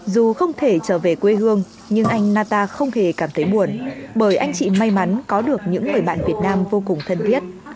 dù không thể trở về quê hương nhưng anh nata không hề cảm thấy buồn bởi anh chị may mắn có được những người bạn việt nam vô cùng thân thiết